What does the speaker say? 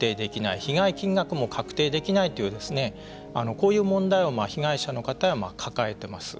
被害金額も確定できないというこういう問題を被害者の方は抱えています。